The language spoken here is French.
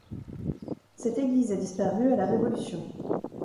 Cette église a disparu à la Révolution.